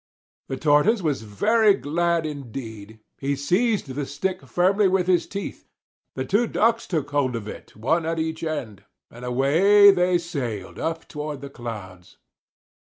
The Tortoise was very glad indeed. He seized the stick firmly with his teeth, the two Ducks took hold of it one at each end, and away they sailed up toward the clouds.